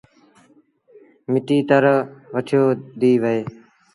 مٽيٚ تر وٺيو ديٚ وهي۔